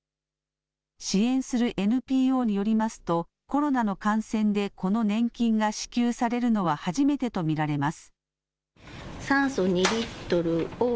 支援するＮＰＯによりますと、コロナの感染でこの年金が支給されるのは初めてと見られます。